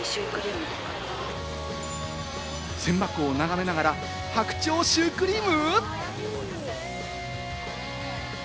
千波湖を眺めながら白鳥シュークリーム？